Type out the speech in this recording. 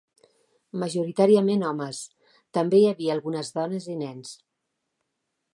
Majoritàriament homes, també hi havia algunes dones i nens.